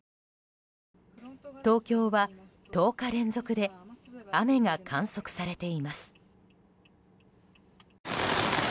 東京は１０日連続で雨が観測されています。